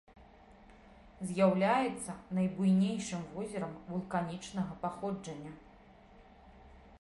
З'яўляецца найбуйнейшым возерам вулканічнага паходжання.